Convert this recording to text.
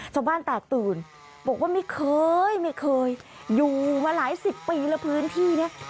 ชาวบ้านแตกตื่นบอกว่าไม่เคยไม่เคยอยู่มาหลายสิบปีแล้วพื้นที่นี้